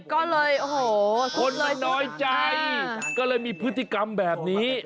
ก็เลยโอ้โหคนเลยน้อยใจก็เลยมีพฤติกรรมแบบนี้